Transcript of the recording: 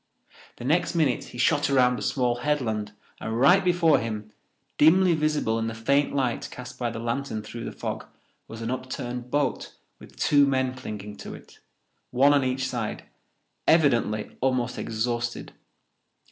The next minute he shot around a small headland and right before him, dimly visible in the faint light cast by the lantern through the fog, was an upturned boat with two men clinging to it, one on each side, evidently almost exhausted.